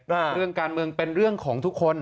เรื่องการเมืองเป็นเรื่องของทุกคน